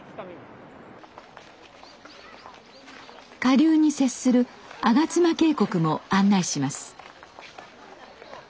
下流に接する吾妻渓谷も案内します。